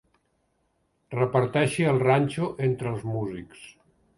Reparteixi el ranxo entre els músics.